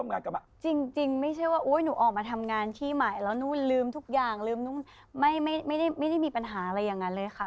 ไม่ได้มีปัญหาอะไรอย่างนั้นเลยค่ะ